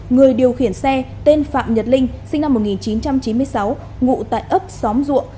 người điều khiển xe tên phạm nhật linh sinh năm một nghìn chín trăm chín mươi sáu ngụ tại ấp xóm duộng